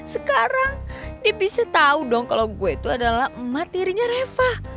sekarang dia bisa tau dong kalau gue itu adalah emat dirinya reva